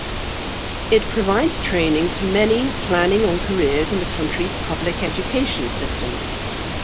It provides training to many planning on careers in the country's public education system.